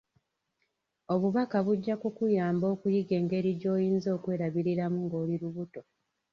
Obubaka bujja kukuyamba okuyiga engeri gy'oyinza okwerabiriramu ng'oli lubuto.